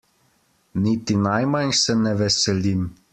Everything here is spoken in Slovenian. Niti najmanj se ne veselim.